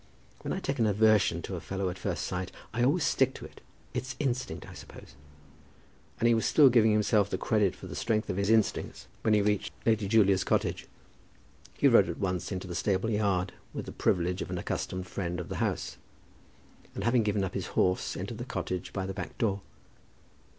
"When I take an aversion to a fellow at first sight, I always stick to it. It's instinct, I suppose." And he was still giving himself credit for the strength of his instincts when he reached Lady Julia's cottage. He rode at once into the stable yard, with the privilege of an accustomed friend of the house, and having given up his horse, entered the cottage by the back door.